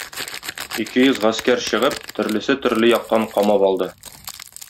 Ике йөз гаскәр чыгып, төрлесе төрле яктан камап алды.